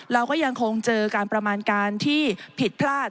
เราก็ยังคงเจอการประมาณการที่ผิดพลาด